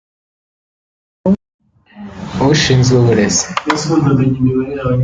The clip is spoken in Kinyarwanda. ushinzwe uburezi